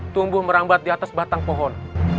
tumbuh merambat di atas batang pohon